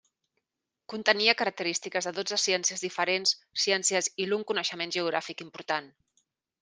Contenia característiques de dotze ciències diferents ciències i l'un coneixement geogràfic important.